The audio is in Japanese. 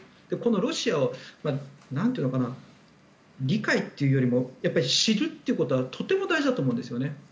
このロシアを理解というよりも知るということはとても大事だと思うんですよね。